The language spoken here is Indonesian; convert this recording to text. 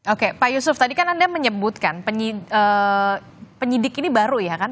oke pak yusuf tadi kan anda menyebutkan penyidik ini baru ya kan